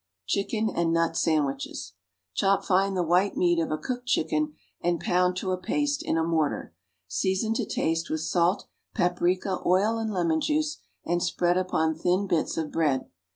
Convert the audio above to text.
=Chicken and Nut Sandwiches.= Chop fine the white meat of a cooked chicken and pound to a paste in a mortar. Season to taste with salt, paprica, oil and lemon juice and spread upon thin bits of bread.